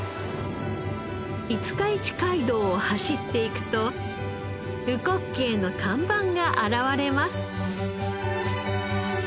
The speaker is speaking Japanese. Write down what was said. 五日市街道を走っていくと「烏骨鶏」の看板が現れます。